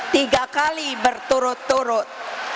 tiga kali berturut turut